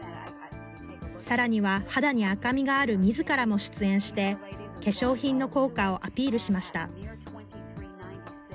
さらには、肌に赤みがあるみずからも出演して、化粧品の効果をアピールしました。